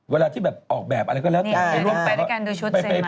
เวลาที่แบบออกแบบอะไรก็แล้วแต่